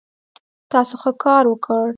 تاسو ښه کار وکړ